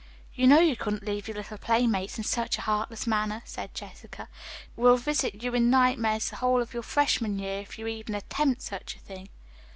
"You know you couldn't leave your little playmates in such a heartless manner," said Jessica. "We'd visit you in nightmares the whole of your freshman year if you even attempted such a thing."